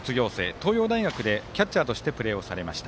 東洋大学でキャッチャーとしてプレーをされました。